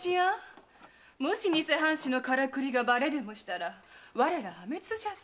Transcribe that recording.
もし偽藩主のカラクリがばれでもしたら我ら破滅じゃぞ。